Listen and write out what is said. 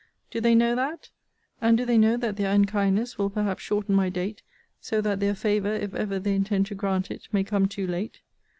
Do they know that? and do they know that their unkindness will perhaps shorten my date; so that their favour, if ever they intend to grant it, may come too late?